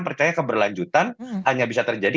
percaya keberlanjutan hanya bisa terjadi